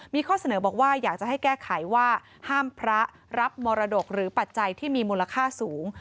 มีข้อเสนอบอกว่าอยากจะให้แก้ไขว่าห้ามพระรับมรดกหรือปัจจัยที่มีมูลค่าสูง